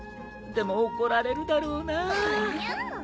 でも怒られるだろうなぁ。